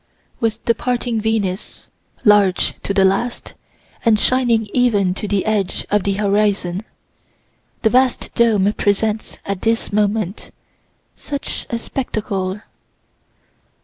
With departing Venus, large to the last, and shining even to the edge of the horizon, the vast dome presents at this moment, such a spectacle!